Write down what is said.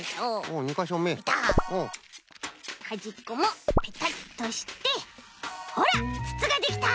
はじっこもペタッとしてほらつつができた！